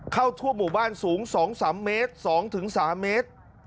เข้าทั่วหมู่บ้านสูง๒๓เมตร